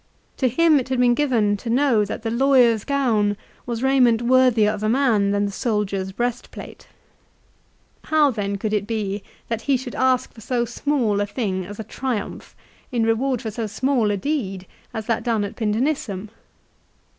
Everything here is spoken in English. To him it had been given to know that the lawyer's gown was raiment worthier of a man C I LI CIA. 121 than the soldier's breastplate. How then could it be that he should ask for so small a thing as a Triumph in reward for so small a deed as that done at Pindenissum